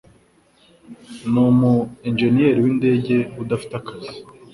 numu injeniyeri windege udafite akazi.